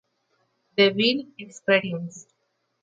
DeVille Experience".